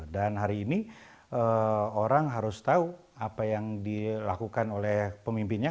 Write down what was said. dan hari ini orang harus tahu apa yang dilakukan oleh pemimpinnya